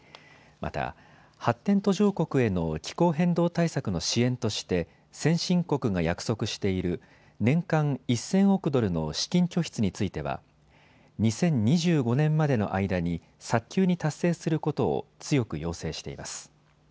また発展途上国への気候変動対策の支援として先進国が約束している年間１０００億ドルの資金拠出については２０２５年までの間に早急に達成することを強く要請しています。